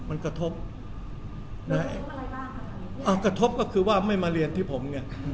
มันกระทบอะไรบ้างอ่ากระทบก็คือว่าไม่มาเรียนที่ผมเนี่ย